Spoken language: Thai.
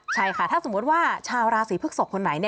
ใช่ค่ะถ้าสมมุติว่าชาวราศีพฤกษกคนไหน